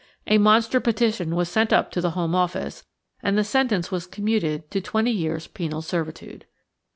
A monster petition was sent up to the Home Office, and the sentence was commuted to twenty years' penal servitude.